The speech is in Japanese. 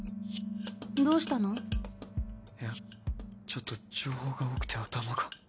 ちょっと情報が多くて頭が。